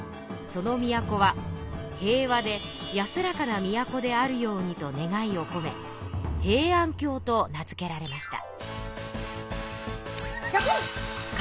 その都は平和で安らかな都であるようにと願いをこめ平安京と名付けられました。